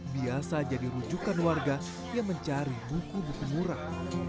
biasa jadi rujukan warga yang mencari buku buku murah